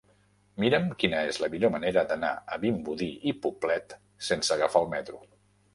Mira'm quina és la millor manera d'anar a Vimbodí i Poblet sense agafar el metro.